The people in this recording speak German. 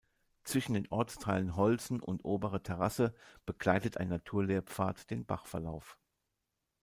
Zwischen den Ortsteilen "Holzen" und "Obere Terrasse" begleitet ein Naturlehrpfad den Bachverlauf.